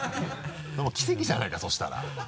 もう奇跡じゃないかそうしたら。